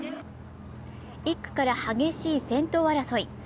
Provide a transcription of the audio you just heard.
１区から激しい先頭争い。